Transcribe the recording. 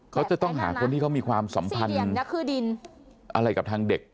เขาจะต้องหาคนที่เขามีความสัมพันธ์อะไรกับทางเด็ก